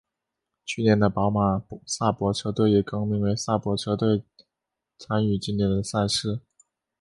去年的宝马萨伯车队也更名为萨伯车队参与今年的赛事。